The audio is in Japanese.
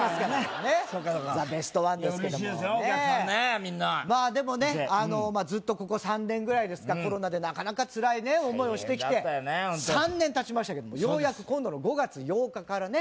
みんないてまあでもねずっとここ３年ぐらいコロナでなかなかつらい思いをしてきて３年たちましたけどようやく今度の５月８日からね